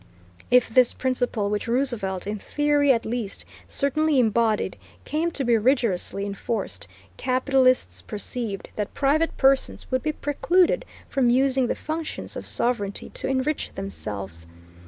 If this principle which Roosevelt, in theory at least, certainly embodied, came to be rigorously enforced, capitalists perceived that private persons would be precluded from using the functions of sovereignty to enrich themselves.